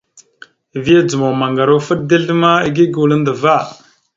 Vya dzomok maŋgar offoɗ dezl ma igégula andəva.